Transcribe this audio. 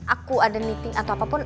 aku ada meeting atau apapun